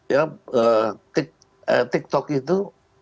ya eh tik tok itu